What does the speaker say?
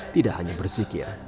tidak hanya bersikir